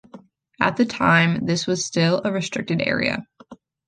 At the time this was still a restricted area.